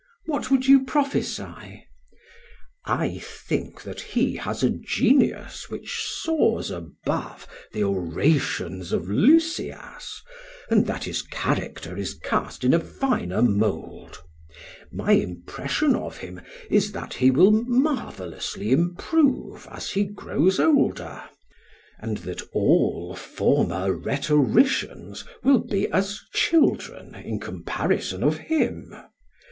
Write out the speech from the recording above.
PHAEDRUS: What would you prophesy? SOCRATES: I think that he has a genius which soars above the orations of Lysias, and that his character is cast in a finer mould. My impression of him is that he will marvellously improve as he grows older, and that all former rhetoricians will be as children in comparison of him.